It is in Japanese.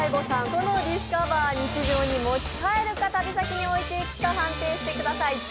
このディスカバー日常に持ち帰るか旅先に置いていくか判定してください